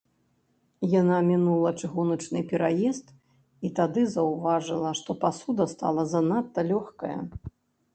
Яна мінула чыгуначны пераезд і тады заўважыла, што пасуда стала занадта лёгкая.